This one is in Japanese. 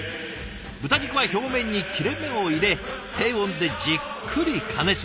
豚肉は表面に切れ目を入れ低温でじっくり加熱。